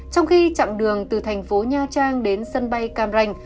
trong khi chặng đường từ thành phố nha trang đến sân bay cam ranh